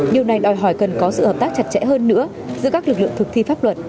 điều này đòi hỏi cần có sự hợp tác chặt chẽ hơn nữa giữa các lực lượng thực thi pháp luật